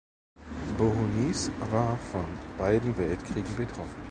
Bohunice war von beiden Weltkriegen betroffen.